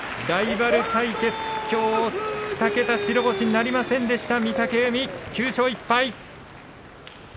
ライバル対決２桁白星はなりませんでした御嶽海、９勝１敗。